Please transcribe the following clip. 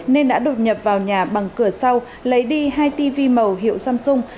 nên đã đột nhập vào nhà bằng cửa sau lấy đi hai tv màu hiệu samsung